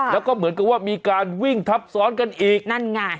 แล้วก็เหมือนกับว่ามีการวิ่งทับซ้อนกันอีกนั่นไง